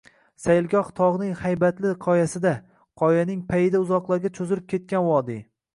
Saylgoh tog’ning haybatli qoyasida. Qoyaning payida uzoqlarga cho’zilib ketgan vodiy…